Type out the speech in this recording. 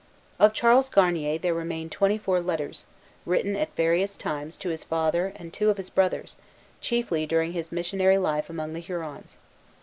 Of Charles Garnier there remain twenty four letters, written at various times to his father and two of his brothers, chiefly during his missionary life among the Hurons.